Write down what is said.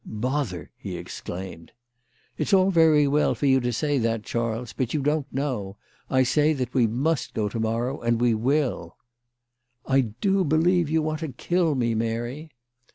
" Bother !" he exclaimed. "It's all very well for you to say that, Charles, but you don't know. I say that we must go to morrow, and we will." " I do believe you want to kill me, Mary."